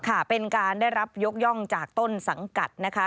ค่ะเป็นการได้รับยกย่องจากต้นสังกัดนะคะ